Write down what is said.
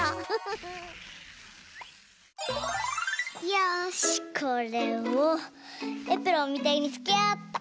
よしこれをエプロンみたいにつけようっと！